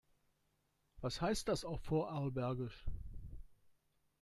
Was heißt das auf Vorarlbergisch?